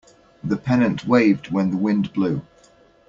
The pennant waved when the wind blew.